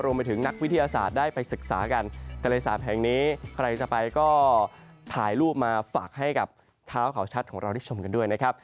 ไปถึงนักวิทยาศาสตร์ได้ไปศึกษากันทะเลสาปแห่งนี้ใครจะไปก็ถ่ายรูปมาฝากให้กับเท้าเขาชัดของเราได้ชมกันด้วยนะครับ